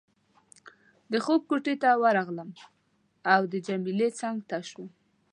د خوب کوټې ته ورغلم او د جميله څنګ ته شوم.